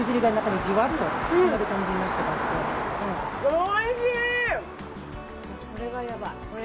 おいしい！